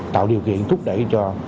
tạo điều kiện thúc đẩy cho